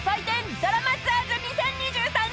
『ドラマツアーズ２０２３新春』］